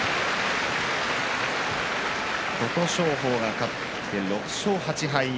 琴勝峰が勝って６勝８敗。